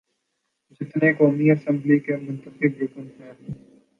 جتنے قومی اسمبلی کے منتخب رکن ہیں۔